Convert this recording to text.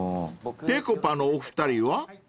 ［ぺこぱのお二人は？］